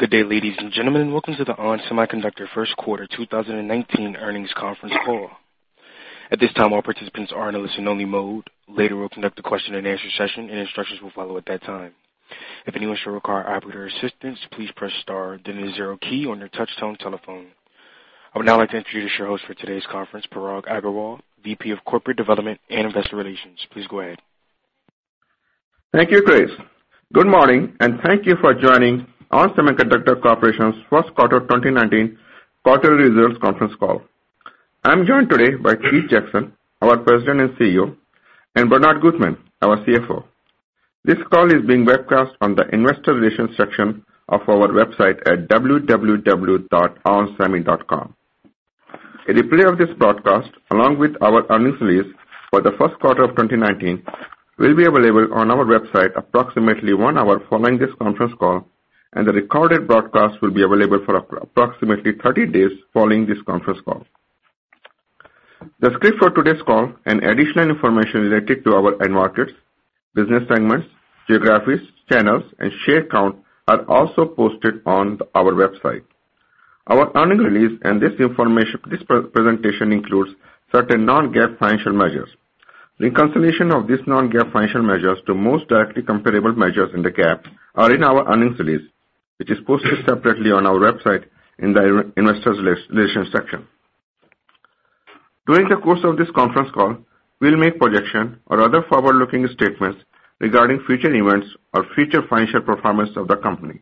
Good day, ladies and gentlemen, and welcome to the ON Semiconductor first quarter 2019 earnings conference call. At this time, all participants are in a listen only mode. Later, we'll conduct a question and answer session, and instructions will follow at that time. If anyone should require operator assistance, please press star, then the zero key on your touchtone telephone. I would now like to introduce you to your host for today's conference, Parag Agarwal, VP of Corporate Development and Investor Relations. Please go ahead. Thank you, Chris. Good morning, and thank you for joining ON Semiconductor Corporation's first quarter 2019 quarterly results conference call. I'm joined today by Keith Jackson, our President and CEO, and Bernard Gutmann, our CFO. This call is being webcast on the investor relations section of our website at www.onsemi.com. A replay of this broadcast, along with our earnings release for the first quarter of 2019, will be available on our website approximately one hour following this conference call, and the recorded broadcast will be available for approximately 30 days following this conference call. The script for today's call and additional information related to our end markets, business segments, geographies, channels, and share count are also posted on our website. Our earnings release and this presentation includes certain non-GAAP financial measures. Reconciliation of these non-GAAP financial measures to most directly comparable measures in the GAAP are in our earnings release, which is posted separately on our website in the investor relations section. During the course of this conference call, we'll make projection or other forward-looking statements regarding future events or future financial performance of the company.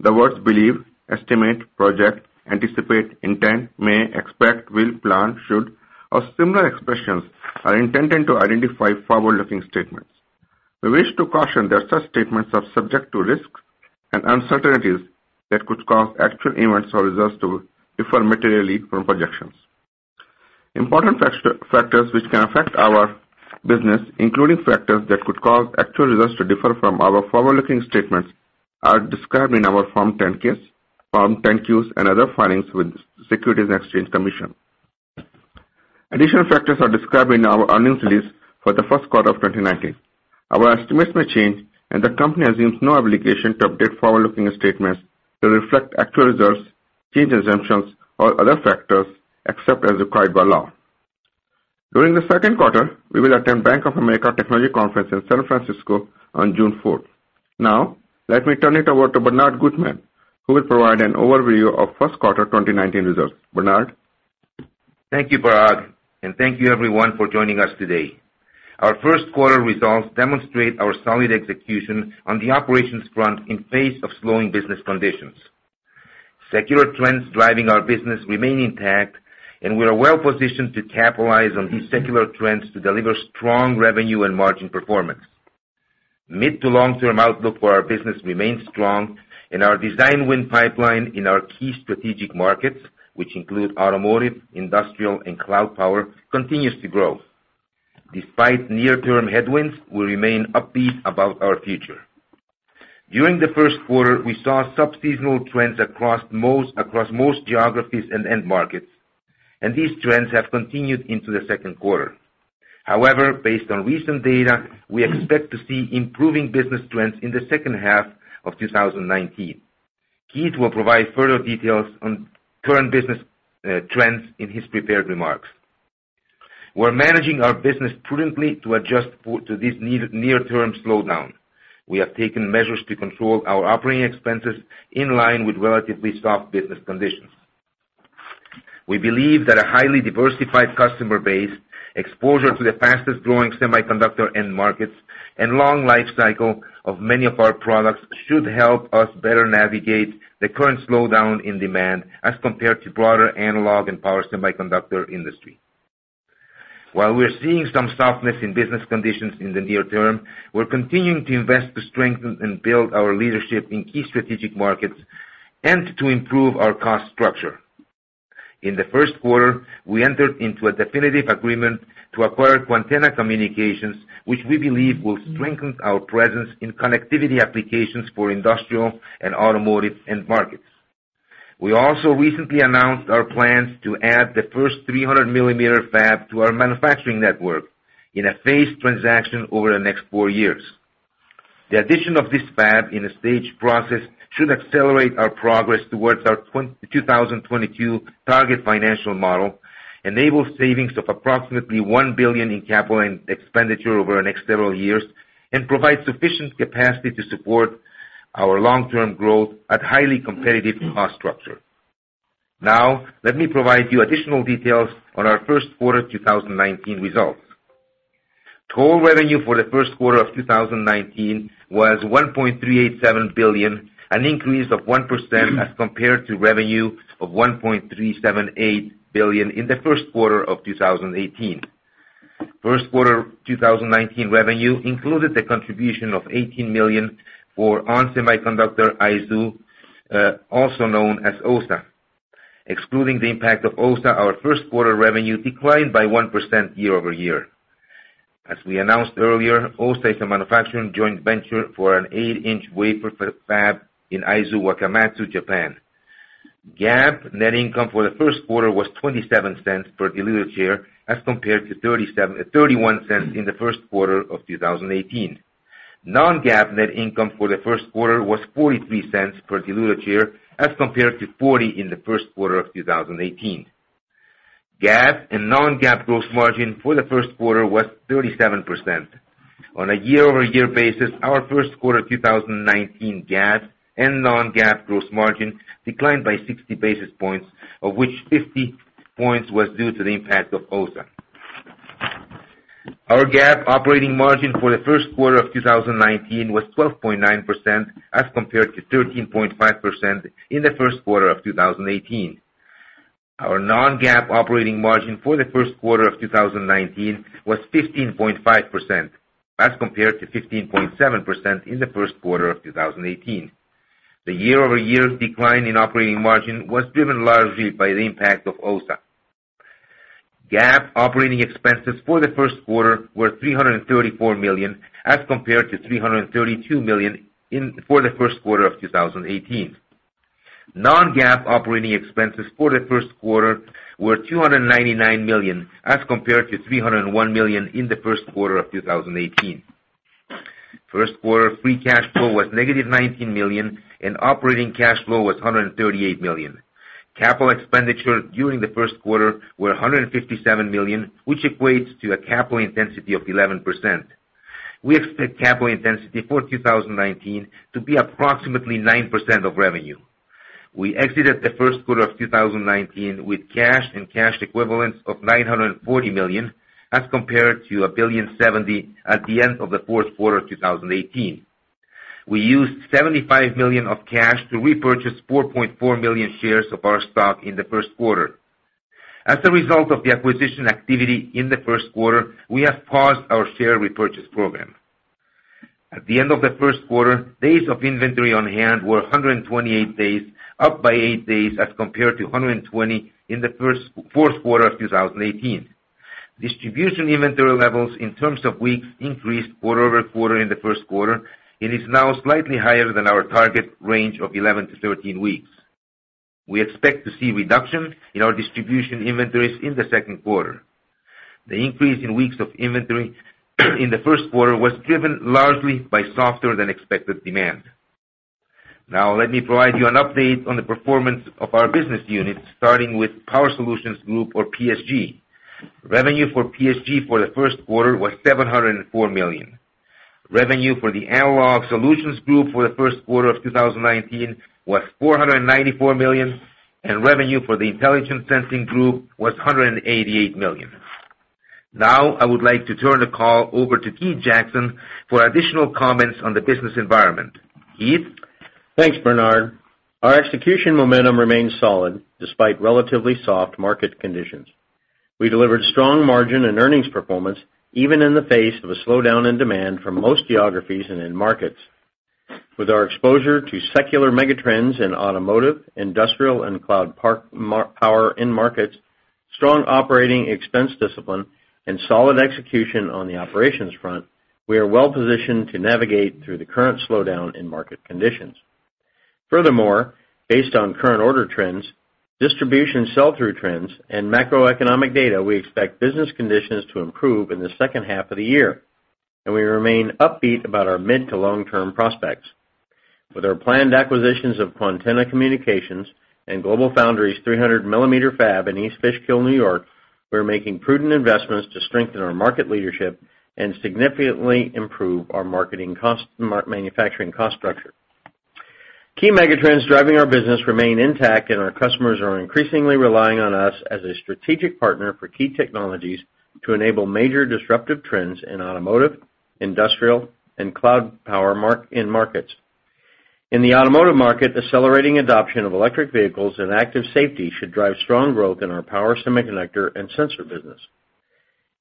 The words believe, estimate, project, anticipate, intend, may, expect, will, plan, should, or similar expressions are intended to identify forward-looking statements. We wish to caution that such statements are subject to risks and uncertainties that could cause actual events or results to differ materially from projections. Important factors which can affect our business, including factors that could cause actual results to differ from our forward-looking statements, are described in our Form 10-Ks, Form 10-Qs, and other filings with Securities and Exchange Commission. Additional factors are described in our earnings release for the first quarter of 2019. Our estimates may change, and the company assumes no obligation to update forward-looking statements to reflect actual results, changed assumptions, or other factors, except as required by law. During the second quarter, we will attend Bank of America Technology Conference in San Francisco on June fourth. Now, let me turn it over to Bernard Gutmann, who will provide an overview of first quarter 2019 results. Bernard? Thank you, Parag, and thank you everyone for joining us today. Our first quarter results demonstrate our solid execution on the operations front in face of slowing business conditions. Secular trends driving our business remain intact, and we are well positioned to capitalize on these secular trends to deliver strong revenue and margin performance. Mid to long-term outlook for our business remains strong and our design win pipeline in our key strategic markets, which include automotive, industrial, and cloud power, continues to grow. Despite near-term headwinds, we remain upbeat about our future. During the first quarter, we saw sub-seasonal trends across most geographies and end markets, and these trends have continued into the second quarter. However, based on recent data, we expect to see improving business trends in the second half of 2019. Keith will provide further details on current business trends in his prepared remarks. We're managing our business prudently to adjust to this near-term slowdown. We have taken measures to control our operating expenses in line with relatively soft business conditions. We believe that a highly diversified customer base, exposure to the fastest-growing semiconductor end markets, and long life cycle of many of our products should help us better navigate the current slowdown in demand as compared to broader analog and power semiconductor industry. While we're seeing some softness in business conditions in the near term, we're continuing to invest to strengthen and build our leadership in key strategic markets and to improve our cost structure. In the first quarter, we entered into a definitive agreement to acquire Quantenna Communications, which we believe will strengthen our presence in connectivity applications for industrial and automotive end markets. We also recently announced our plans to add the first 300 millimeter fab to our manufacturing network in a phased transaction over the next four years. The addition of this fab in a staged process should accelerate our progress towards our 2022 target financial model, enable savings of approximately $1 billion in capital and expenditure over the next several years, and provide sufficient capacity to support our long-term growth at highly competitive cost structure. Let me provide you additional details on our first quarter 2019 results. Total revenue for the first quarter of 2019 was $1.387 billion, an increase of 1% as compared to revenue of $1.378 billion in the first quarter of 2018. First quarter 2019 revenue included the contribution of $18 million for ON Semiconductor Aizu, also known as OSA. Excluding the impact of OSA, our first quarter revenue declined by 1% year-over-year. As we announced earlier, OSA is a manufacturing joint venture for an 8-inch wafer fab in Aizu-Wakamatsu, Japan. GAAP net income for the first quarter was $0.27 per diluted share as compared to $0.31 in the first quarter of 2018. Non-GAAP net income for the first quarter was $0.43 per diluted share as compared to $0.40 in the first quarter of 2018. GAAP and non-GAAP gross margin for the first quarter was 37%. On a year-over-year basis, our first quarter 2019 GAAP and non-GAAP gross margin declined by 60 basis points, of which 50 points was due to the impact of OSA. Our GAAP operating margin for the first quarter of 2019 was 12.9% as compared to 13.5% in the first quarter of 2018. Our non-GAAP operating margin for the first quarter of 2019 was 15.5% as compared to 15.7% in the first quarter of 2018. The year-over-year decline in operating margin was driven largely by the impact of OSA. GAAP operating expenses for the first quarter were $334 million as compared to $332 million for the first quarter of 2018. Non-GAAP operating expenses for the first quarter were $299 million as compared to $301 million in the first quarter of 2018. First quarter free cash flow was negative $19 million, and operating cash flow was $138 million. Capital expenditure during the first quarter was $157 million, which equates to a capital intensity of 11%. We expect capital intensity for 2019 to be approximately 9% of revenue. We exited the first quarter of 2019 with cash and cash equivalents of $940 million as compared to $1.070 billion at the end of the fourth quarter of 2018. We used $75 million of cash to repurchase 4.4 million shares of our stock in the first quarter. As a result of the acquisition activity in the first quarter, we have paused our share repurchase program. At the end of the first quarter, days of inventory on hand were 128 days, up by eight days as compared to 120 in the fourth quarter of 2018. Distribution inventory levels in terms of weeks increased quarter-over-quarter in the first quarter. It is now slightly higher than our target range of 11 to 13 weeks. We expect to see a reduction in our distribution inventories in the second quarter. The increase in weeks of inventory in the first quarter was driven largely by softer than expected demand. Let me provide you an update on the performance of our business units, starting with Power Solutions Group or PSG. Revenue for PSG for the first quarter was $704 million. Revenue for the Analog Solutions Group for the first quarter of 2019 was $494 million, and revenue for the Intelligent Sensing Group was $188 million. I would like to turn the call over to Keith Jackson for additional comments on the business environment. Keith? Thanks, Bernard. Our execution momentum remains solid despite relatively soft market conditions. We delivered strong margin and earnings performance even in the face of a slowdown in demand from most geographies and end markets. With our exposure to secular megatrends in automotive, industrial, and cloud power end markets, strong operating expense discipline, and solid execution on the operations front, we are well positioned to navigate through the current slowdown in market conditions. Based on current order trends, distribution sell-through trends, and macroeconomic data, we expect business conditions to improve in the second half of the year, and we remain upbeat about our mid to long-term prospects. With our planned acquisitions of Quantenna Communications and GlobalFoundries' 300-millimeter fab in East Fishkill, New York, we're making prudent investments to strengthen our market leadership and significantly improve our manufacturing cost structure. Key megatrends driving our business remain intact, our customers are increasingly relying on us as a strategic partner for key technologies to enable major disruptive trends in automotive, industrial, and cloud power end markets. In the automotive market, accelerating adoption of electric vehicles and active safety should drive strong growth in our power semiconductor and sensor business.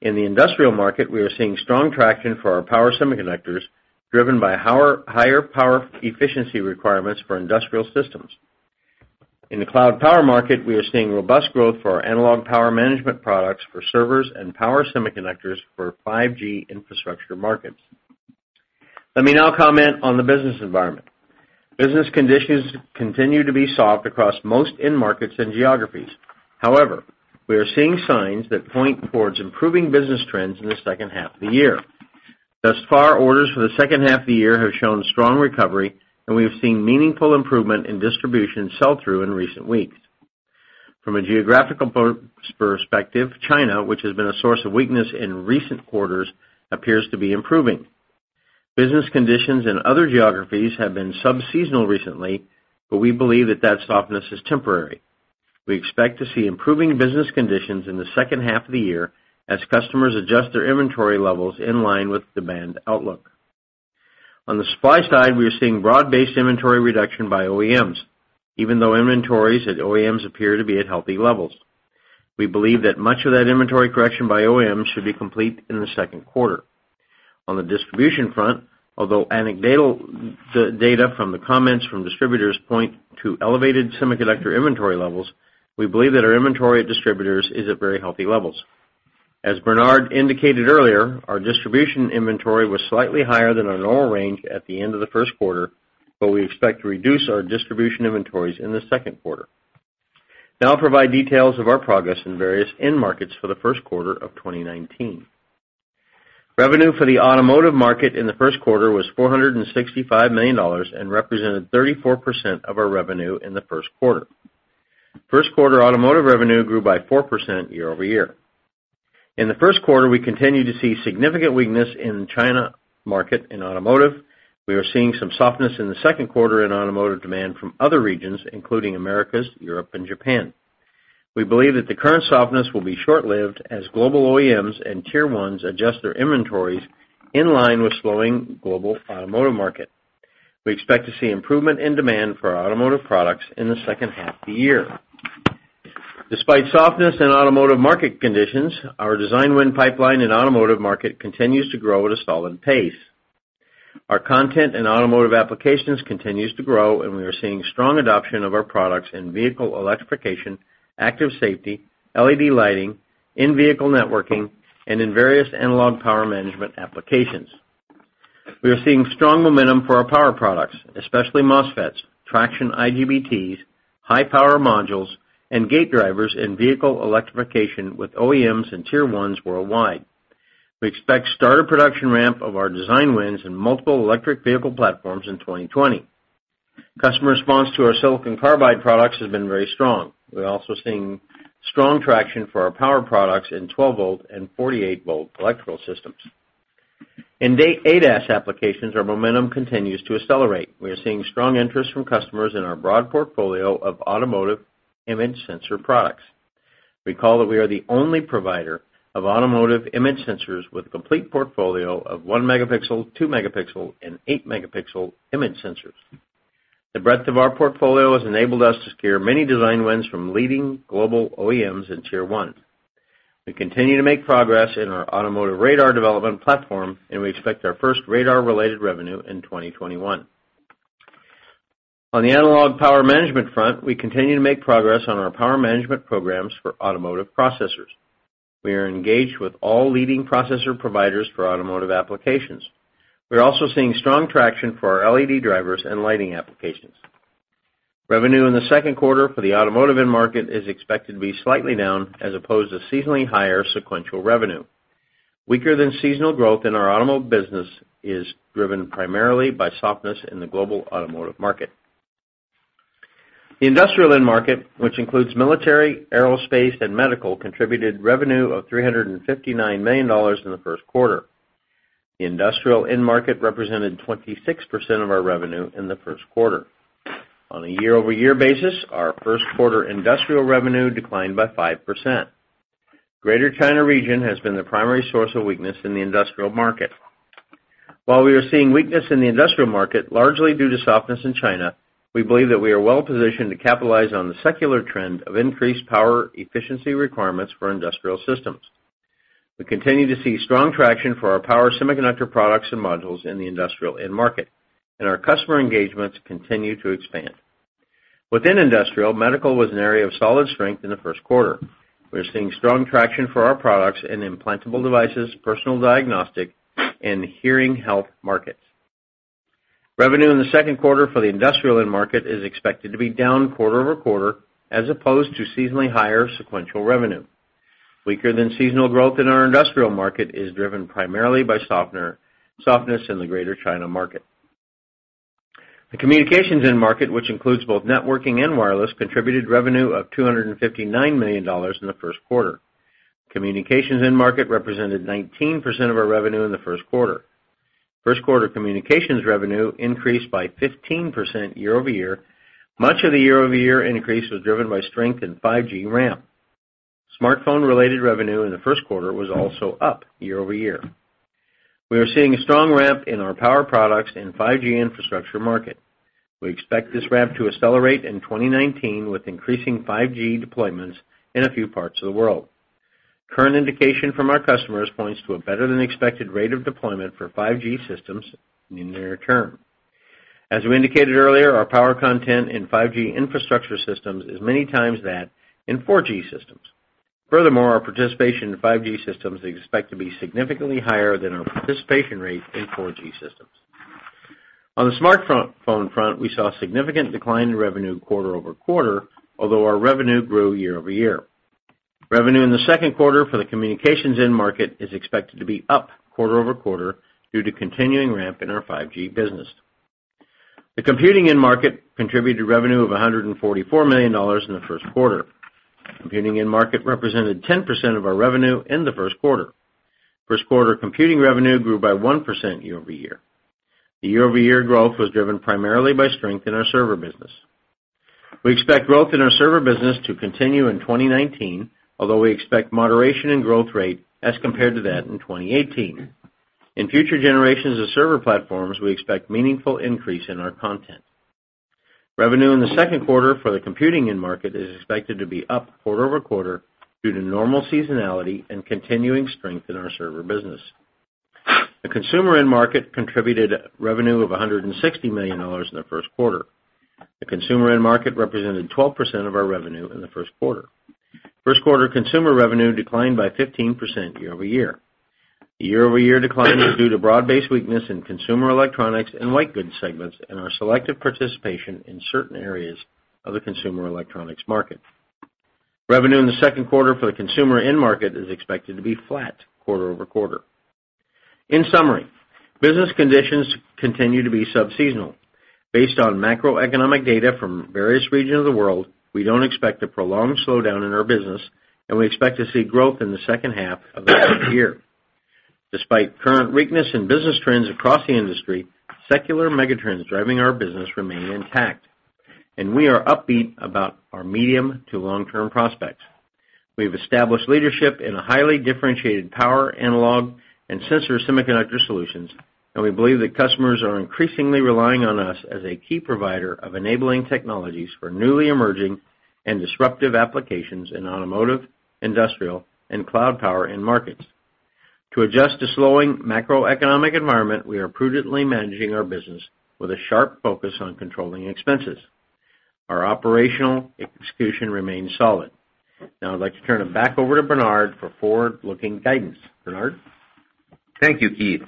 In the industrial market, we are seeing strong traction for our power semiconductors, driven by higher power efficiency requirements for industrial systems. In the cloud power market, we are seeing robust growth for our analog power management products for servers and power semiconductors for 5G infrastructure markets. Let me now comment on the business environment. Business conditions continue to be soft across most end markets and geographies. However, we are seeing signs that point towards improving business trends in the second half of the year. Thus far, orders for the second half of the year have shown strong recovery, we have seen meaningful improvement in distribution sell-through in recent weeks. From a geographical perspective, China, which has been a source of weakness in recent quarters, appears to be improving. Business conditions in other geographies have been sub-seasonal recently, we believe that that softness is temporary. We expect to see improving business conditions in the second half of the year as customers adjust their inventory levels in line with demand outlook. On the supply side, we are seeing broad-based inventory reduction by OEMs, even though inventories at OEMs appear to be at healthy levels. We believe that much of that inventory correction by OEMs should be complete in the second quarter. On the distribution front, although anecdotal data from the comments from distributors point to elevated semiconductor inventory levels, we believe that our inventory at distributors is at very healthy levels. As Bernard indicated earlier, our distribution inventory was slightly higher than our normal range at the end of the first quarter, we expect to reduce our distribution inventories in the second quarter. Now I'll provide details of our progress in various end markets for the first quarter of 2019. Revenue for the automotive market in the first quarter was $465 million and represented 34% of our revenue in the first quarter. First quarter automotive revenue grew by 4% year-over-year. In the first quarter, we continued to see significant weakness in China market in automotive. We are seeing some softness in the second quarter in automotive demand from other regions, including Americas, Europe, and Japan. We believe that the current softness will be short-lived as global OEMs and tier 1s adjust their inventories in line with slowing global automotive market. We expect to see improvement in demand for our automotive products in the second half of the year. Despite softness in automotive market conditions, our design win pipeline in automotive market continues to grow at a solid pace. Our content in automotive applications continues to grow, we are seeing strong adoption of our products in vehicle electrification, active safety, LED lighting, in-vehicle networking, and in various analog power management applications. We are seeing strong momentum for our power products, especially MOSFETs, traction IGBTs, high power modules, and gate drivers in vehicle electrification with OEMs and tier 1s worldwide. We expect starter production ramp of our design wins in multiple electric vehicle platforms in 2020. Customer response to our silicon carbide products has been very strong. We're also seeing strong traction for our power products in 12 volt and 48 volt electrical systems. In ADAS applications, our momentum continues to accelerate. We are seeing strong interest from customers in our broad portfolio of automotive image sensor products. Recall that we are the only provider of automotive image sensors with a complete portfolio of 1 megapixel, 2 megapixel, and 8 megapixel image sensors. The breadth of our portfolio has enabled us to secure many design wins from leading global OEMs in tier 1. We continue to make progress in our automotive radar development platform, and we expect our first radar-related revenue in 2021. On the analog power management front, we continue to make progress on our power management programs for automotive processors. We are engaged with all leading processor providers for automotive applications. We're also seeing strong traction for our LED drivers and lighting applications. Revenue in the second quarter for the automotive end market is expected to be slightly down as opposed to seasonally higher sequential revenue. Weaker than seasonal growth in our automotive business is driven primarily by softness in the global automotive market. The industrial end market, which includes military, aerospace, and medical, contributed revenue of $359 million in the first quarter. The industrial end market represented 26% of our revenue in the first quarter. On a year-over-year basis, our first quarter industrial revenue declined by 5%. Greater China region has been the primary source of weakness in the industrial market. While we are seeing weakness in the industrial market, largely due to softness in China, we believe that we are well positioned to capitalize on the secular trend of increased power efficiency requirements for industrial systems. We continue to see strong traction for our power semiconductor products and modules in the industrial end market, and our customer engagements continue to expand. Within industrial, medical was an area of solid strength in the first quarter. We are seeing strong traction for our products in implantable devices, personal diagnostic, and hearing health markets. Revenue in the second quarter for the industrial end market is expected to be down quarter-over-quarter as opposed to seasonally higher sequential revenue. Weaker than seasonal growth in our industrial market is driven primarily by softness in the Greater China market. The communications end market, which includes both networking and wireless, contributed revenue of $259 million in the first quarter. Communications end market represented 19% of our revenue in the first quarter. First quarter communications revenue increased by 15% year-over-year. Much of the year-over-year increase was driven by strength in 5G ramp. Smartphone related revenue in the first quarter was also up year-over-year. We are seeing a strong ramp in our power products in 5G infrastructure market. We expect this ramp to accelerate in 2019 with increasing 5G deployments in a few parts of the world. Current indication from our customers points to a better than expected rate of deployment for 5G systems in the near term. As we indicated earlier, our power content in 5G infrastructure systems is many times that in 4G systems. Furthermore, our participation in 5G systems is expected to be significantly higher than our participation rate in 4G systems. On the smartphone front, we saw a significant decline in revenue quarter-over-quarter, although our revenue grew year-over-year. Revenue in the second quarter for the communications end market is expected to be up quarter-over-quarter due to continuing ramp in our 5G business. The computing end market contributed revenue of $144 million in the first quarter. Computing end market represented 10% of our revenue in the first quarter. First quarter computing revenue grew by 1% year-over-year. The year-over-year growth was driven primarily by strength in our server business. We expect growth in our server business to continue in 2019, although we expect moderation in growth rate as compared to that in 2018. In future generations of server platforms, we expect meaningful increase in our content. Revenue in the second quarter for the computing end market is expected to be up quarter-over-quarter due to normal seasonality and continuing strength in our server business. The consumer end market contributed revenue of $160 million in the first quarter. The consumer end market represented 12% of our revenue in the first quarter. First quarter consumer revenue declined by 15% year-over-year. The year-over-year decline is due to broad-based weakness in consumer electronics and white goods segments and our selective participation in certain areas of the consumer electronics market. Revenue in the second quarter for the consumer end market is expected to be flat quarter-over-quarter. In summary, business conditions continue to be sub-seasonal. Based on macroeconomic data from various regions of the world, we don't expect a prolonged slowdown in our business, and we expect to see growth in the second half of this year. Despite current weakness in business trends across the industry, secular megatrends driving our business remain intact, and we are upbeat about our medium to long-term prospects. We've established leadership in a highly differentiated power analog and sensor semiconductor solutions, and we believe that customers are increasingly relying on us as a key provider of enabling technologies for newly emerging and disruptive applications in automotive, industrial, and cloud power end markets. To adjust to slowing macroeconomic environment, we are prudently managing our business with a sharp focus on controlling expenses. Our operational execution remains solid. Now I'd like to turn it back over to Bernard for forward-looking guidance. Bernard? Thank you, Keith.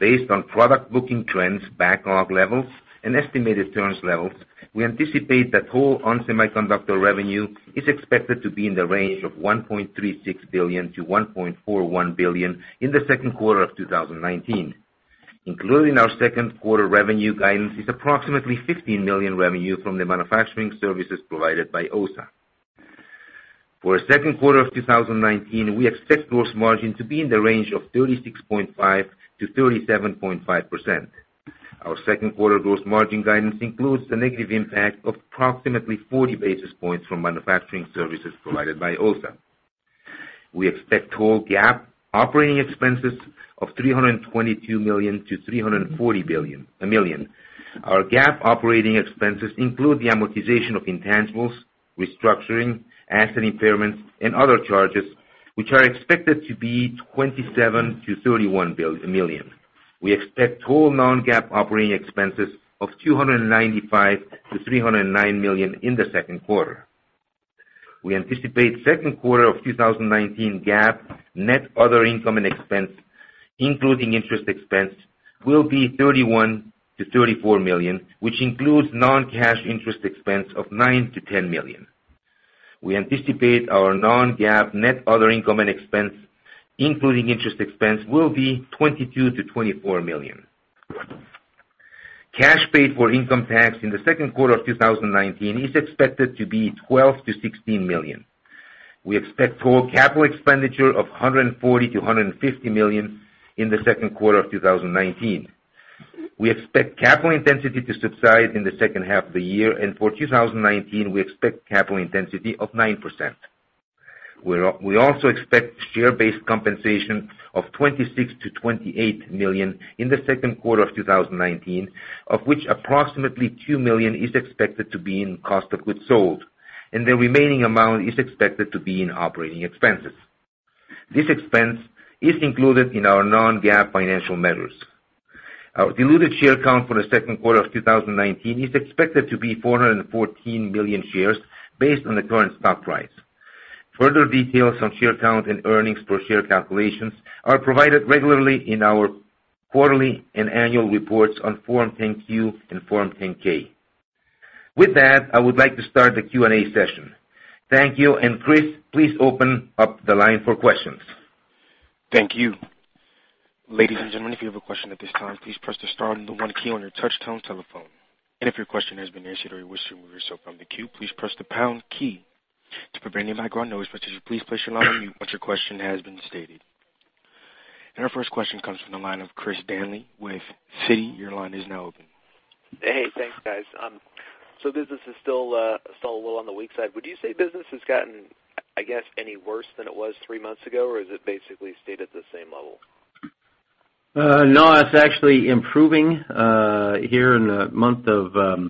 Based on product booking trends, backlog levels, and estimated turns levels, we anticipate that total ON Semiconductor revenue is expected to be in the range of $1.36 billion-$1.41 billion in the second quarter of 2019. Including our second quarter revenue guidance is approximately $15 million revenue from the manufacturing services provided by OSA. For the second quarter of 2019, we expect gross margin to be in the range of 36.5%-37.5%. Our second quarter gross margin guidance includes the negative impact of approximately 40 basis points from manufacturing services provided by OSA. We expect total GAAP operating expenses of $322 million-$340 million. Our GAAP operating expenses include the amortization of intangibles, restructuring, asset impairments, and other charges, which are expected to be $27 million-$31 million. We expect total non-GAAP operating expenses of $295 million-$309 million in the second quarter. We anticipate second quarter of 2019 GAAP net other income and expense, including interest expense, will be $31 million-$34 million, which includes non-cash interest expense of $9 million-$10 million. We anticipate our non-GAAP net other income and expense, including interest expense, will be $22 million-$24 million. Cash paid for income tax in the second quarter of 2019 is expected to be $12 million-$16 million. We expect total capital expenditure of $140 million-$150 million in the second quarter of 2019. We expect capital intensity to subside in the second half of the year, and for 2019, we expect capital intensity of 9%. We also expect share-based compensation of $26 million-$28 million in the second quarter of 2019, of which approximately $2 million is expected to be in cost of goods sold, and the remaining amount is expected to be in operating expenses. This expense is included in our non-GAAP financial measures. Our diluted share count for the second quarter of 2019 is expected to be 414 million shares based on the current stock price. Further details on share count and earnings per share calculations are provided regularly in our quarterly and annual reports on Form 10-Q and Form 10-K. With that, I would like to start the Q&A session. Thank you, and Chris, please open up the line for questions. Thank you. Ladies and gentlemen, if you have a question at this time, please press the star and the one key on your touch tone telephone. If your question has been answered or you wish to remove yourself from the queue, please press the pound key. To prevent any background noise, participants please place your line on mute once your question has been stated. Our first question comes from the line of Chris Danely with Citi. Your line is now open. Hey, thanks, guys. Business is still a little on the weak side. Would you say business has gotten, I guess, any worse than it was three months ago, or has it basically stayed at the same level? No, it's actually improving here in the month of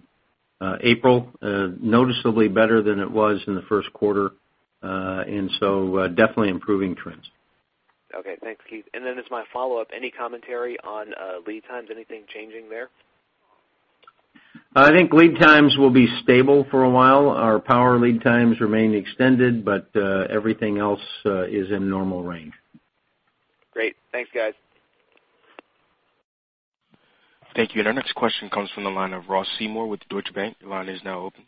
April. Noticeably better than it was in the first quarter, definitely improving trends. Okay, thanks, Keith. As my follow-up, any commentary on lead times? Anything changing there? I think lead times will be stable for a while. Our power lead times remain extended, everything else is in normal range. Great. Thanks, guys. Thank you. Our next question comes from the line of Ross Seymore with Deutsche Bank. Your line is now open.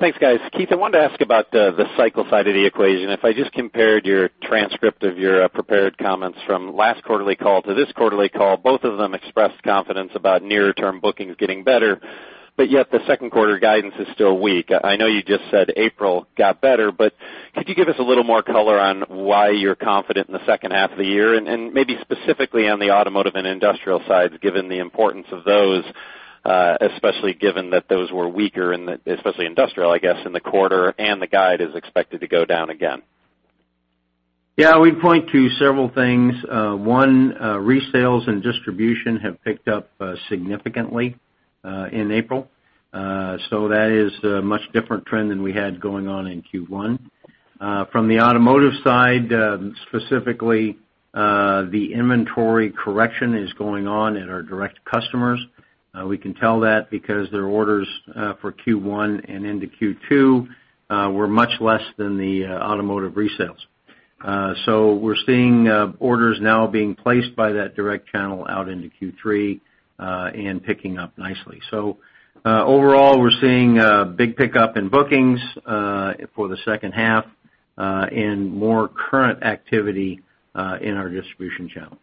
Thanks, guys. Keith, I wanted to ask about the cycle side of the equation. If I just compared your transcript of your prepared comments from last quarterly call to this quarterly call, both of them expressed confidence about near-term bookings getting better. Yet the second quarter guidance is still weak. I know you just said April got better, could you give us a little more color on why you're confident in the second half of the year and maybe specifically on the automotive and industrial sides, given the importance of those, especially given that those were weaker in the, especially industrial, I guess, in the quarter, and the guide is expected to go down again? Yeah, we'd point to several things. One, resales and distribution have picked up significantly in April. That is a much different trend than we had going on in Q1. From the automotive side, specifically, the inventory correction is going on at our direct customers. We can tell that because their orders for Q1 and into Q2 were much less than the automotive resales. We're seeing orders now being placed by that direct channel out into Q3, and picking up nicely. Overall, we're seeing a big pickup in bookings for the second half, and more current activity in our distribution channel.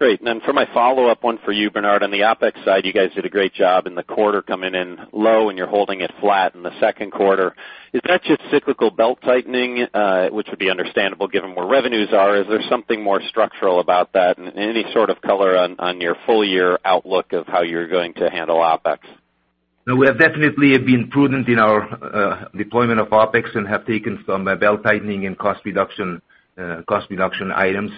Great. Then for my follow-up, one for you, Bernard, on the OpEx side, you guys did a great job in the quarter coming in low, and you're holding it flat in the second quarter. Is that just cyclical belt-tightening, which would be understandable given where revenues are? Is there something more structural about that? Any sort of color on your full-year outlook of how you're going to handle OpEx? No, we have definitely been prudent in our deployment of OpEx and have taken some belt-tightening and cost-reduction items.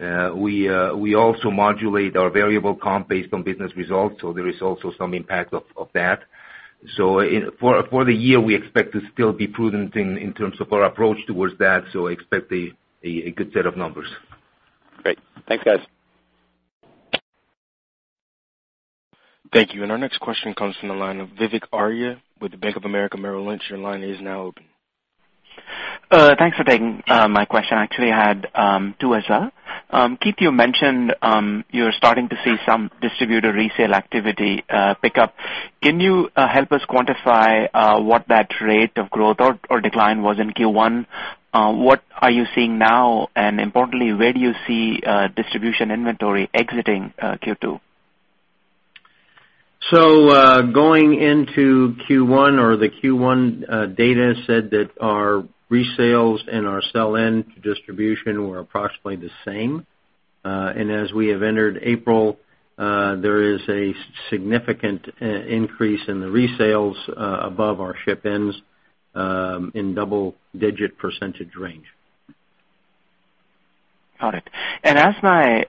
We also modulate our variable comp based on business results, there is also some impact of that. For the year, we expect to still be prudent in terms of our approach towards that, expect a good set of numbers. Great. Thanks, guys. Thank you. Our next question comes from the line of Vivek Arya with Bank of America Merrill Lynch. Your line is now open. Thanks for taking my question. Actually, I had two as well. Keith, you mentioned you're starting to see some distributor resale activity pick up. Can you help us quantify what that rate of growth or decline was in Q1? What are you seeing now? Importantly, where do you see distribution inventory exiting Q2? Going into Q1 or the Q1 data said that our resales and our sell-in to distribution were approximately the same. As we have entered April, there is a significant increase in the resales above our ship-ins in double-digit % range. Got it. As my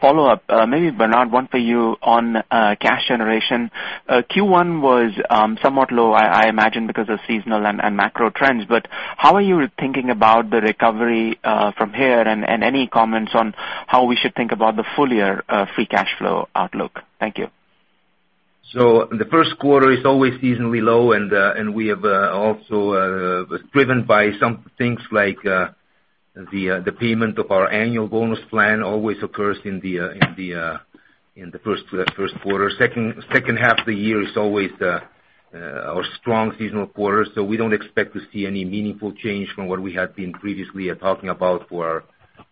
follow-up, maybe Bernard, one for you on cash generation. Q1 was somewhat low, I imagine because of seasonal and macro trends. How are you thinking about the recovery from here, and any comments on how we should think about the full-year free cash flow outlook? Thank you. The first quarter is always seasonally low, driven by some things like the payment of our annual bonus plan always occurs in the first quarter. Second half of the year is always our strong seasonal quarter, we don't expect to see any meaningful change from what we had been previously talking about for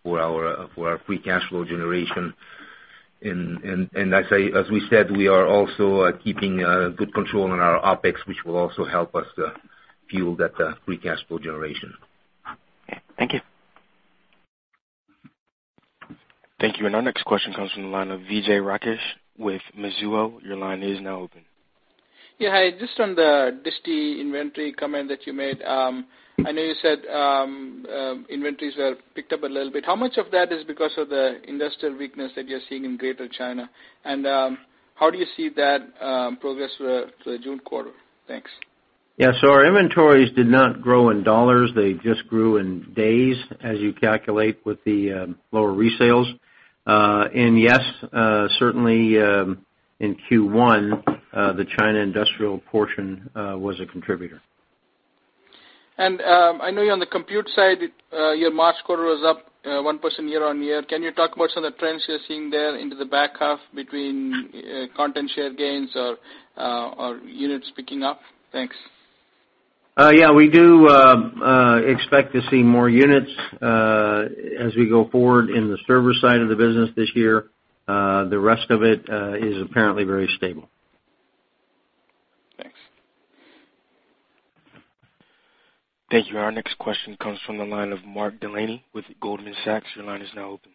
our free cash flow generation. As we said, we are also keeping good control on our OpEx, which will also help us to fuel that free cash flow generation. Okay. Thank you. Thank you. Our next question comes from the line of Vijay Rakesh with Mizuho. Your line is now open. Yeah. Hi. Just on the disti inventory comment that you made. I know you said inventories have picked up a little bit. How much of that is because of the industrial weakness that you're seeing in Greater China? How do you see that progress through the June quarter? Thanks. Yeah. Our inventories did not grow in dollars. They just grew in days as you calculate with the lower resales. Yes, certainly, in Q1, the China industrial portion was a contributor. I know you're on the compute side. Your March quarter was up 1% year-on-year. Can you talk about some of the trends you're seeing there into the back half between content share gains or units picking up? Thanks. Yeah. We do expect to see more units as we go forward in the server side of the business this year. The rest of it is apparently very stable. Thanks. Thank you. Our next question comes from the line of Mark Delaney with Goldman Sachs. Your line is now open.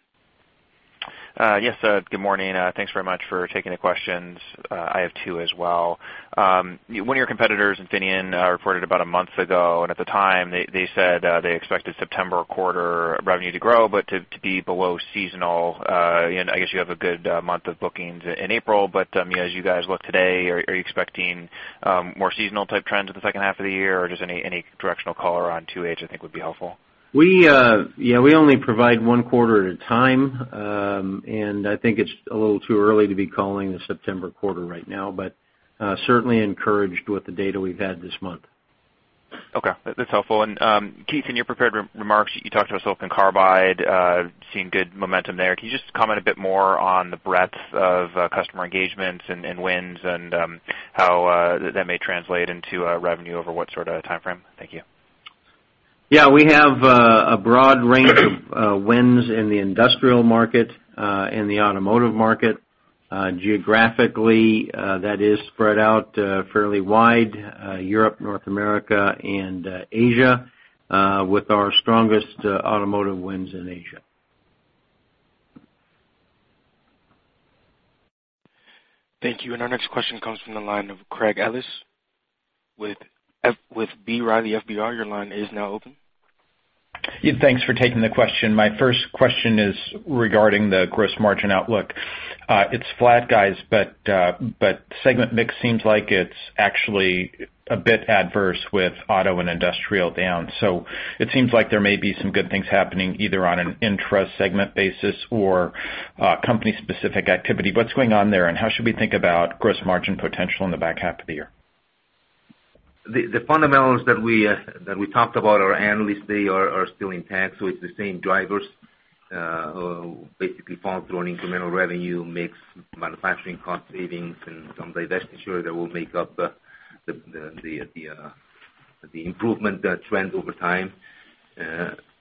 Yes. Good morning. Thanks very much for taking the questions. I have two as well. One of your competitors, Infineon, reported about a month ago, and at the time, they said they expected September quarter revenue to grow, but to be below seasonal. I guess you have a good month of bookings in April, but as you guys look today, are you expecting more seasonal type trends in the second half of the year? Or just any directional color on 2H, I think would be helpful. Yeah, we only provide one quarter at a time. I think it's a little too early to be calling the September quarter right now, but certainly encouraged with the data we've had this month. Okay. That's helpful. Keith, in your prepared remarks, you talked about silicon carbide, seeing good momentum there. Can you just comment a bit more on the breadth of customer engagements and wins and how that may translate into revenue over what sort of timeframe? Thank you. Yeah. We have a broad range of wins in the industrial market, in the automotive market. Geographically, that is spread out fairly wide. Europe, North America, and Asia, with our strongest automotive wins in Asia. Thank you. Our next question comes from the line of Craig Ellis with B. Riley FBR. Your line is now open. Ed, thanks for taking the question. My first question is regarding the gross margin outlook. It's flat, guys. Segment mix seems like it's actually a bit adverse with auto and industrial down. It seems like there may be some good things happening, either on an intra-segment basis or company-specific activity. What's going on there, and how should we think about gross margin potential in the back half of the year? The fundamentals that we talked about, our analysts, they are still intact. It's the same drivers, basically follow-through on incremental revenue mix, manufacturing cost savings, and some divestiture that will make up the improvement trend over time.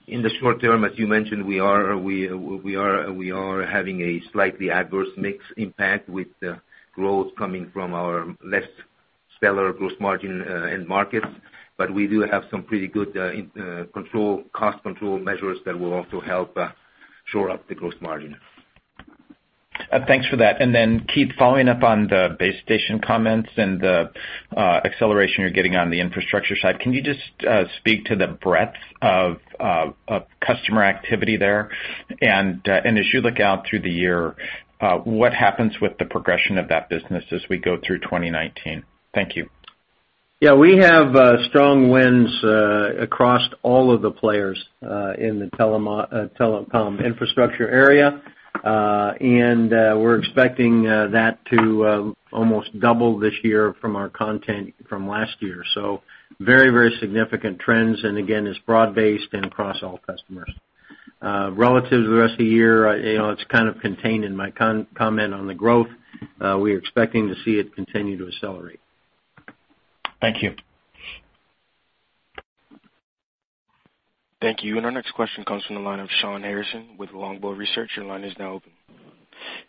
In the short term, as you mentioned, we are having a slightly adverse mix impact with growth coming from our less stellar gross margin end markets. We do have some pretty good cost control measures that will also help shore up the gross margin. Thanks for that. Then Keith, following up on the base station comments and the acceleration you're getting on the infrastructure side, can you just speak to the breadth of customer activity there? As you look out through the year, what happens with the progression of that business as we go through 2019? Thank you. Yeah, we have strong wins across all of the players in the telecom infrastructure area. We're expecting that to almost double this year from our content from last year. Very significant trends, and again, it's broad-based and across all customers. Relative to the rest of the year, it's kind of contained in my comment on the growth. We're expecting to see it continue to accelerate. Thank you. Thank you. Our next question comes from the line of Shawn Harrison with Longbow Research. Your line is now open.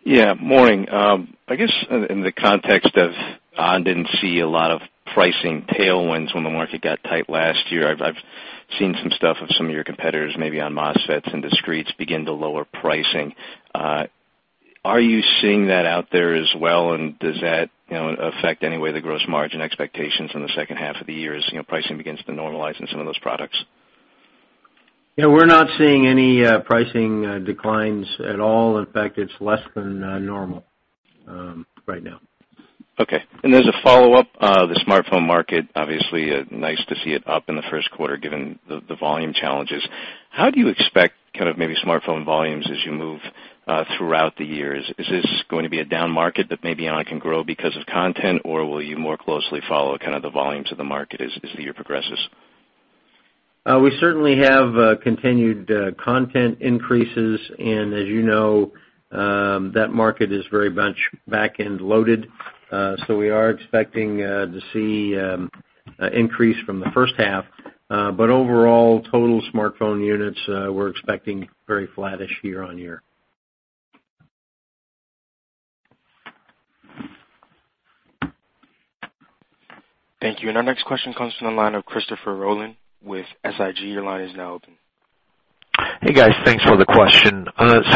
Yeah. Morning. I guess in the context of ON didn't see a lot of pricing tailwinds when the market got tight last year. I've seen some stuff of some of your competitors, maybe on MOSFETs and discretes begin to lower pricing. Are you seeing that out there as well, and does that affect any way the gross margin expectations in the second half of the year as pricing begins to normalize in some of those products? Yeah, we're not seeing any pricing declines at all. In fact, it's less than normal right now. Okay. As a follow-up, the smartphone market, obviously, nice to see it up in the first quarter given the volume challenges. How do you expect kind of maybe smartphone volumes as you move throughout the year? Is this going to be a down market that maybe ON can grow because of content, or will you more closely follow kind of the volumes of the market as the year progresses? We certainly have continued content increases, as you know, that market is very back-end loaded. We are expecting to see increase from the first half. Overall, total smartphone units, we're expecting very flattish year-on-year. Thank you. Our next question comes from the line of Christopher Rolland with Susquehanna. Your line is now open. Hey, guys. Thanks for the question.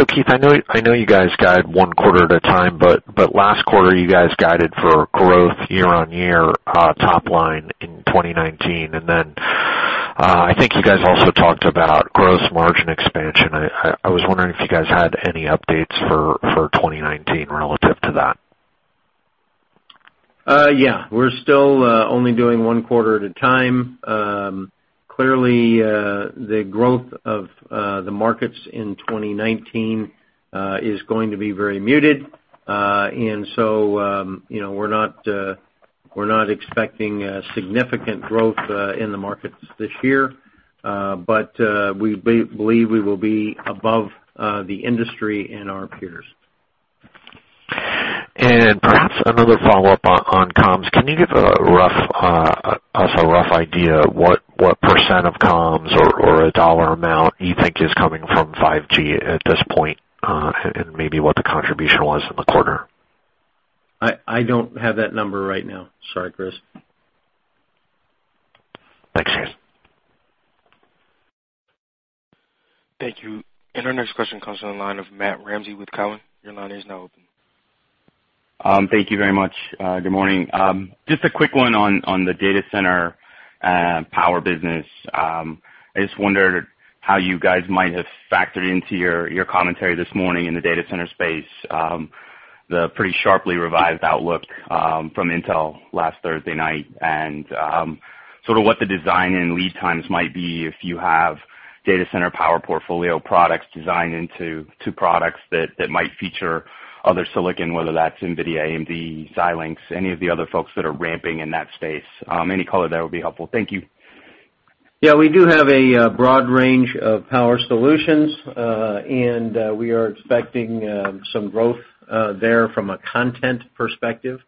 Keith, I know you guys guide one quarter at a time, but last quarter, you guys guided for growth year-on-year top-line in 2019. Then I think you guys also talked about gross margin expansion. I was wondering if you guys had any updates for 2019 relative to that. Yeah. We're still only doing one quarter at a time. Clearly, the growth of the markets in 2019 is going to be very muted. We're not expecting significant growth in the markets this year. We believe we will be above the industry and our peers. Perhaps another follow-up on comms. Can you give us a rough idea what % of comms or a dollar amount you think is coming from 5G at this point, and maybe what the contribution was in the quarter? I don't have that number right now. Sorry, Chris. Thanks. Thank you. Our next question comes from the line of Matt Ramsay with Cowen. Your line is now open. Thank you very much. Good morning. Just a quick one on the data center power business. I just wondered how you guys might have factored into your commentary this morning in the data center space, the pretty sharply revised outlook from Intel last Thursday night, and sort of what the design and lead times might be if you have data center power portfolio products designed into two products that might feature other silicon, whether that's NVIDIA, AMD, Xilinx, any of the other folks that are ramping in that space. Any color there would be helpful. Thank you. We do have a broad range of power solutions, and we are expecting some growth there from a content perspective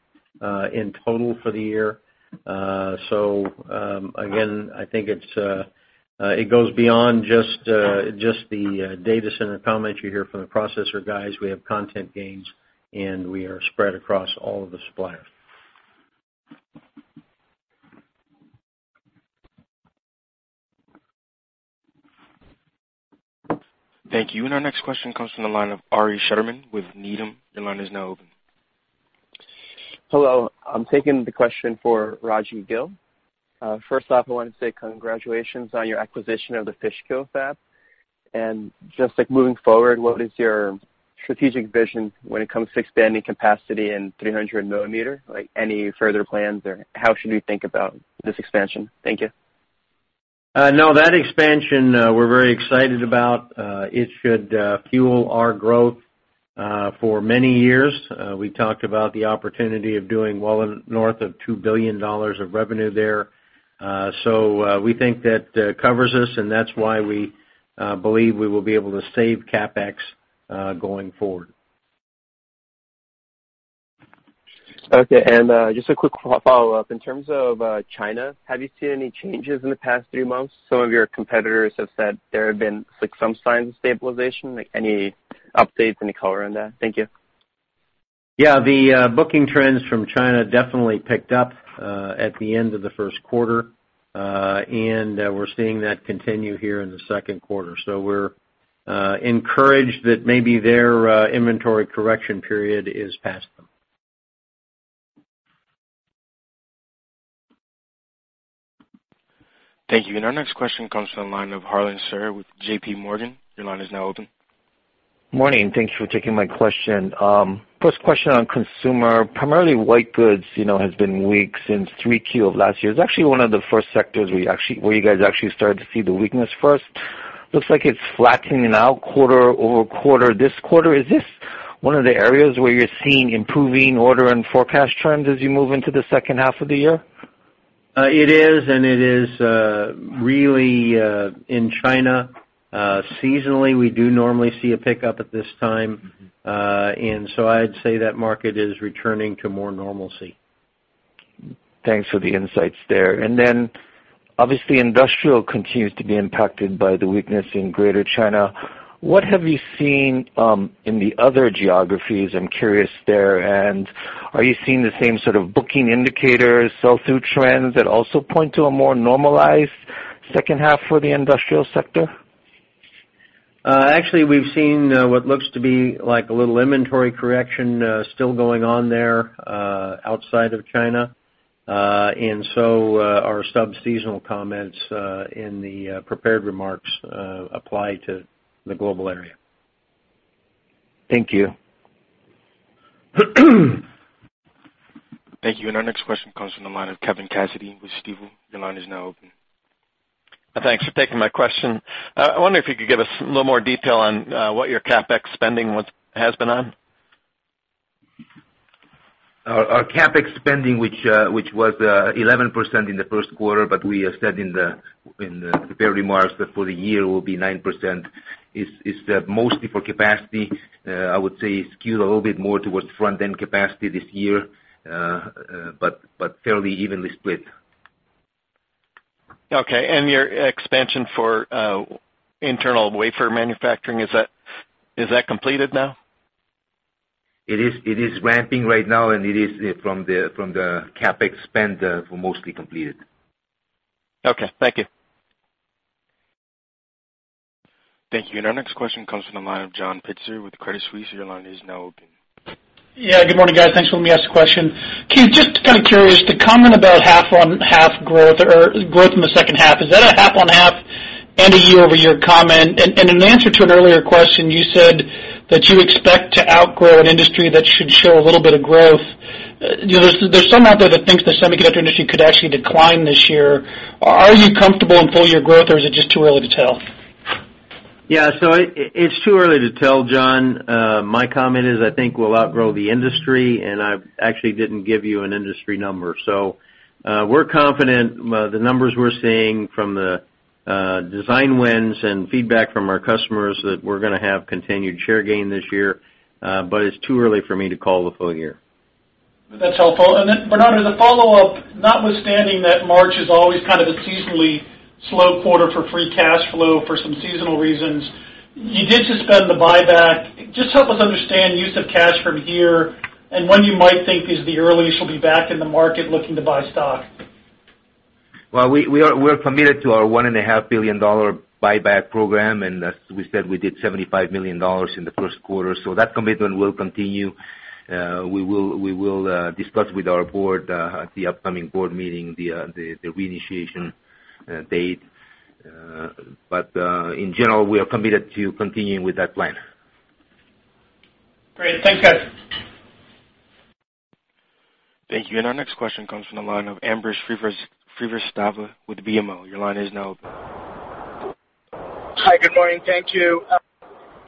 in total for the year. Again, I think it goes beyond just the data center comments you hear from the processor guys. We have content gains, and we are spread across all of the suppliers. Thank you. Our next question comes from the line of Ari Shutterman with Needham. Your line is now open. Hello. I'm taking the question for Raji Gill. First off, I want to say congratulations on your acquisition of the Fishkill fab. Just moving forward, what is your strategic vision when it comes to expanding capacity in 300 millimeter? How should we think about this expansion? Thank you. That expansion we're very excited about. It should fuel our growth for many years. We talked about the opportunity of doing well north of $2 billion of revenue there. We think that covers us, and that's why we believe we will be able to save CapEx going forward. Okay. Just a quick follow-up. In terms of China, have you seen any changes in the past three months? Some of your competitors have said there have been some signs of stabilization. Any updates, any color on that? Thank you. Yeah. The booking trends from China definitely picked up at the end of the first quarter. We're seeing that continue here in the second quarter. We're encouraged that maybe their inventory correction period is past them. Thank you. Our next question comes from the line of Harlan Sur with J.P. Morgan. Your line is now open. Morning. Thank you for taking my question. First question on consumer. Primarily white goods has been weak since Q3 of last year. It's actually one of the first sectors where you guys actually started to see the weakness first. Looks like it's flattening out quarter-over-quarter this quarter. Is this one of the areas where you're seeing improving order and forecast trends as you move into the second half of the year? It is, and it is really in China. Seasonally, we do normally see a pickup at this time. I'd say that market is returning to more normalcy. Thanks for the insights there. Obviously industrial continues to be impacted by the weakness in Greater China. What have you seen in the other geographies? I'm curious there. Are you seeing the same sort of booking indicators, sell-through trends that also point to a more normalized second half for the industrial sector? Actually, we've seen what looks to be like a little inventory correction still going on there outside of China. Our sub-seasonal comments in the prepared remarks apply to the global area. Thank you. Thank you. Our next question comes from the line of Kevin Cassidy with Stifel. Your line is now open. Thanks for taking my question. I wonder if you could give us a little more detail on what your CapEx spending has been on. Our CapEx spending, which was 11% in the first quarter, but we have said in the prepared remarks that for the year will be 9%, is mostly for capacity. I would say skewed a little bit more towards front-end capacity this year, but fairly evenly split. Okay. Your expansion for internal wafer manufacturing, is that completed now? It is ramping right now, and it is from the CapEx spend for mostly completed. Okay. Thank you. Thank you. Our next question comes from the line of John Pitzer with Credit Suisse. Your line is now open. Yeah. Good morning, guys. Thanks for letting me ask the question. Keith, just kind of curious, the comment about half-on-half growth or growth in the second half, is that a half-on-half and a year-over-year comment? In answer to an earlier question, you said that you expect to outgrow an industry that should show a little bit of growth. There's some out there that think the semiconductor industry could actually decline this year. Are you comfortable in full-year growth, or is it just too early to tell? Yeah. It's too early to tell, John. My comment is, I think we'll outgrow the industry, and I actually didn't give you an industry number. We're confident the numbers we're seeing from the design wins and feedback from our customers that we're going to have continued share gain this year, but it's too early for me to call the full year. That's helpful. Then Bernardo, the follow-up, notwithstanding that March is always kind of a seasonally slow quarter for free cash flow for some seasonal reasons, you did suspend the buyback. Just help us understand use of cash from here and when you might think is the earliest you'll be back in the market looking to buy stock. Well, we're committed to our $1.5 billion buyback program, and as we said, we did $75 million in the first quarter. That commitment will continue. We will discuss with our board at the upcoming board meeting the reinitiation date. In general, we are committed to continuing with that plan. Great. Thanks, guys. Thank you. Our next question comes from the line of Ambrish Srivastava with BMO. Your line is now open. Hi. Good morning. Thank you.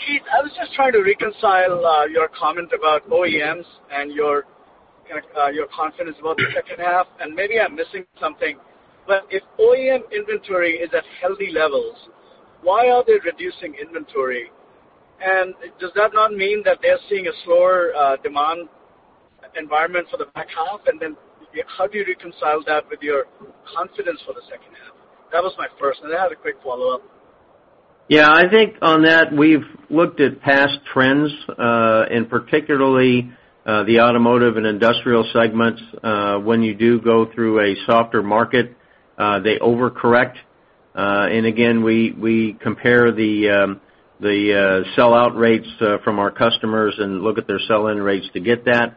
Keith, I was just trying to reconcile your comment about OEMs and your confidence about the second half, and maybe I'm missing something, but if OEM inventory is at healthy levels, why are they reducing inventory? Does that not mean that they're seeing a slower demand environment for the back half? How do you reconcile that with your confidence for the second half? That was my first, and I had a quick follow-up. Yeah. I think on that, we've looked at past trends, and particularly the automotive and industrial segments. When you do go through a softer market they overcorrect. We compare the sellout rates from our customers and look at their sell-in rates to get that.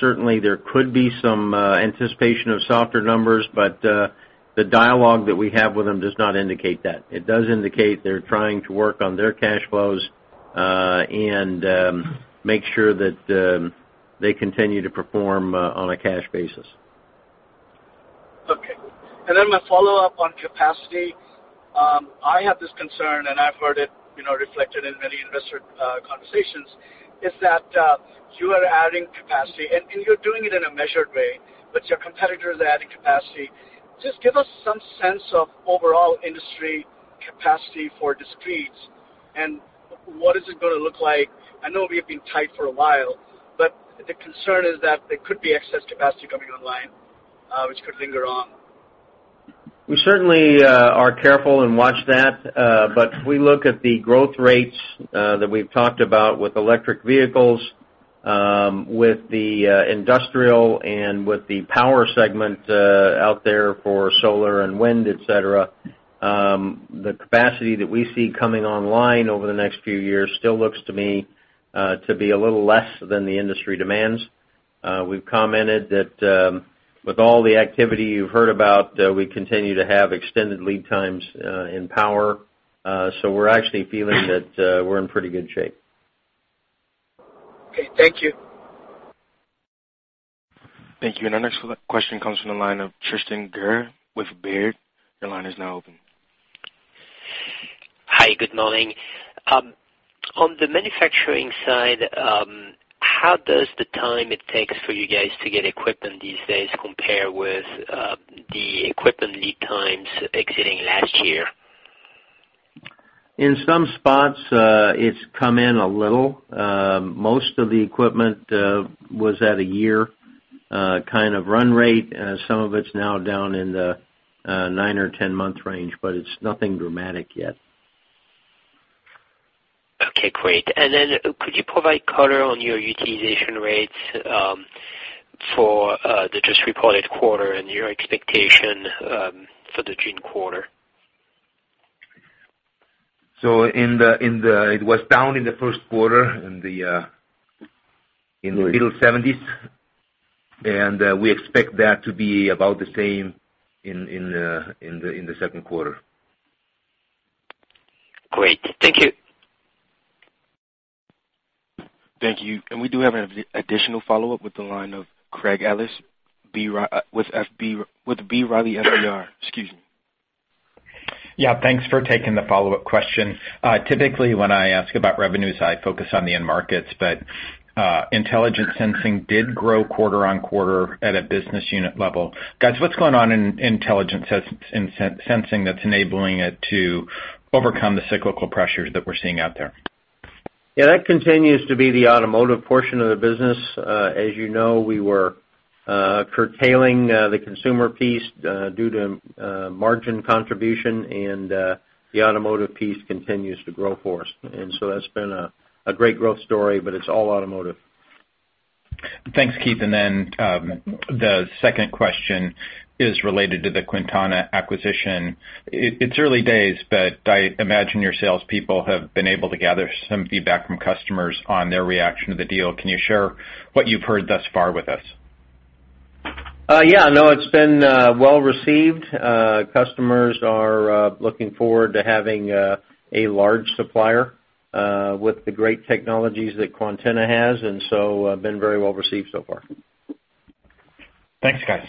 Certainly, there could be some anticipation of softer numbers, but the dialogue that we have with them does not indicate that. It does indicate they're trying to work on their cash flows and make sure that they continue to perform on a cash basis. Okay. My follow-up on capacity. I have this concern, and I've heard it reflected in many investor conversations, is that you are adding capacity, and you're doing it in a measured way, but your competitors are adding capacity. Just give us some sense of overall industry capacity for discretes, and what is it going to look like? I know we have been tight for a while, but the concern is that there could be excess capacity coming online, which could linger on. We certainly are careful and watch that. If we look at the growth rates that we've talked about with electric vehicles, with the industrial, and with the power segment out there for solar and wind, et cetera, the capacity that we see coming online over the next few years still looks to me to be a little less than the industry demands. We've commented that with all the activity you've heard about, we continue to have extended lead times in power. We're actually feeling that we're in pretty good shape. Okay. Thank you. Thank you. Our next question comes from the line of Tristan Gerra with Baird. Your line is now open. Hi, good morning. On the manufacturing side, how does the time it takes for you guys to get equipment these days compare with the equipment lead times exiting last year? In some spots, it's come in a little. Most of the equipment was at a year kind of run rate. Some of it's now down in the 9 or 10-month range, but it's nothing dramatic yet. Okay, great. Could you provide color on your utilization rates for the just reported quarter and your expectation for the June quarter? It was down in the first quarter in the middle 70s, and we expect that to be about the same in the second quarter. Great. Thank you. Thank you. We do have an additional follow-up with the line of Craig Ellis with B. Riley FBR. Excuse me. Yeah, thanks for taking the follow-up question. Typically, when I ask about revenues, I focus on the end markets, but Intelligent Sensing did grow quarter-on-quarter at a business unit level. Guys, what's going on in Intelligent Sensing that's enabling it to overcome the cyclical pressures that we're seeing out there? Yeah, that continues to be the automotive portion of the business. As you know, we were curtailing the consumer piece due to margin contribution, and the automotive piece continues to grow for us. That's been a great growth story, but it's all automotive. Thanks, Keith. The second question is related to the Quantenna acquisition. It's early days, but I imagine your salespeople have been able to gather some feedback from customers on their reaction to the deal. Can you share what you've heard thus far with us? Yeah. No, it's been well-received. Customers are looking forward to having a large supplier with the great technologies that Quantenna has, and so been very well received so far. Thanks, guys.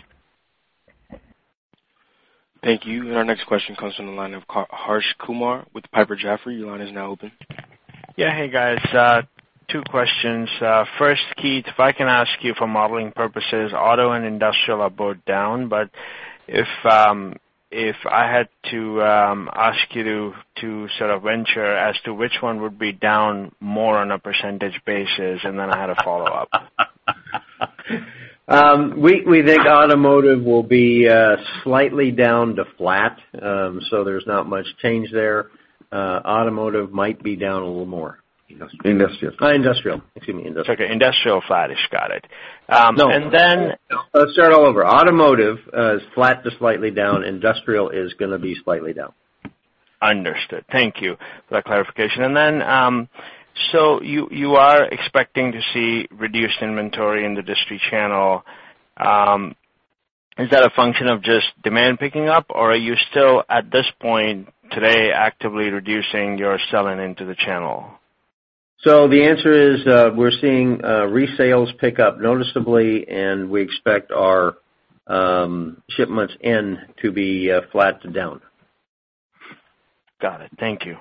Thank you. Our next question comes from the line of Harsh Kumar with Piper Jaffray. Your line is now open. Yeah. Hey, guys. Two questions. First, Keith, if I can ask you for modeling purposes, auto and industrial are both down. If I had to ask you to sort of venture as to which one would be down more on a percentage basis, and then I had a follow-up. We think automotive will be slightly down to flat, so there's not much change there. Automotive might be down a little more. Industrial. Industrial. Excuse me, industrial. Okay, industrial flat. Got it. No. And then- Let's start all over. Automotive is flat to slightly down. Industrial is going to be slightly down. Understood. Thank you for that clarification. You are expecting to see reduced inventory in the distri channel. Is that a function of just demand picking up, or are you still at this point today actively reducing your selling into the channel? The answer is, we're seeing resales pick up noticeably, and we expect our shipments in to be flat to down. Got it. Thank you.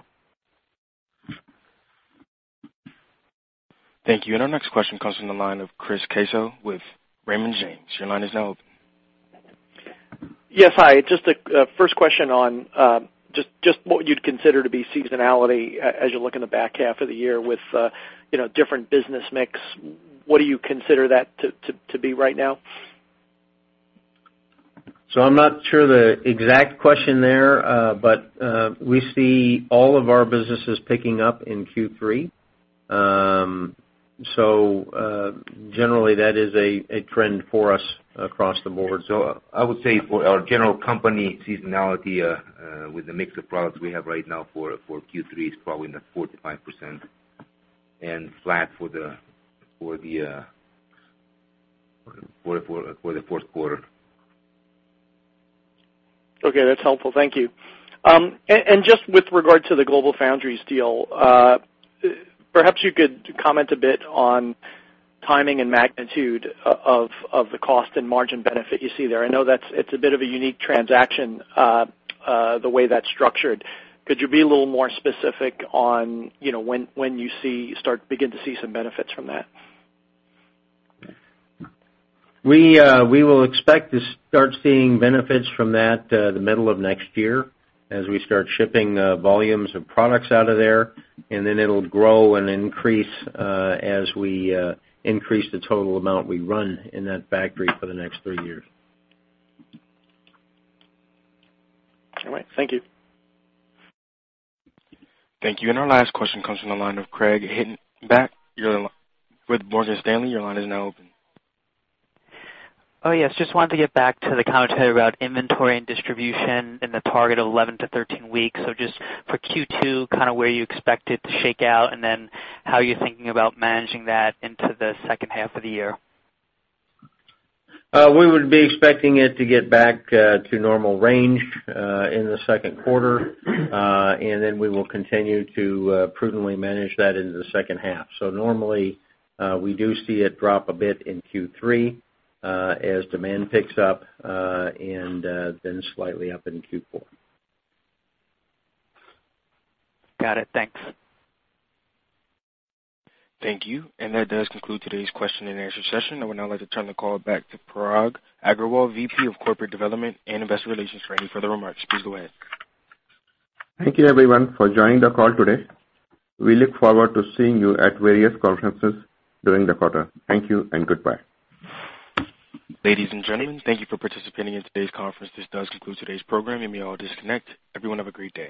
Thank you. Our next question comes from the line of Chris Caso with Raymond James. Your line is now open. Yes, hi. Just a first question on just what you'd consider to be seasonality as you look in the back half of the year with different business mix. What do you consider that to be right now? I'm not sure the exact question there. We see all of our businesses picking up in Q3. Generally, that is a trend for us across the board. I would say for our general company seasonality, with the mix of products we have right now for Q3, it's probably in the 45% and flat for the fourth quarter. Okay, that's helpful. Thank you. Just with regard to the GlobalFoundries deal, perhaps you could comment a bit on timing and magnitude of the cost and margin benefit you see there. I know it's a bit of a unique transaction, the way that's structured. Could you be a little more specific on when you begin to see some benefits from that? We will expect to start seeing benefits from that the middle of next year as we start shipping volumes of products out of there. It'll grow and increase, as we increase the total amount we run in that factory for the next three years. All right. Thank you. Thank you. Our last question comes from the line of Craig Hettenbach back with Morgan Stanley. Your line is now open. Oh, yes. Just wanted to get back to the commentary about inventory and distribution and the target of 11-13 weeks. Just for Q2, kind of where you expect it to shake out, and then how you're thinking about managing that into the second half of the year. We would be expecting it to get back to normal range, in the second quarter. Then we will continue to prudently manage that into the second half. Normally, we do see it drop a bit in Q3, as demand picks up, then slightly up in Q4. Got it. Thanks. Thank you. That does conclude today's question and answer session. I would now like to turn the call back to Parag Agarwal, VP of Corporate Development and Investor Relations for any further remarks. Please go ahead. Thank you everyone for joining the call today. We look forward to seeing you at various conferences during the quarter. Thank you and goodbye. Ladies and gentlemen, thank you for participating in today's conference. This does conclude today's program. You may all disconnect. Everyone have a great day.